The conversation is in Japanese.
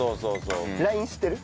ＬＩＮＥ知ってる？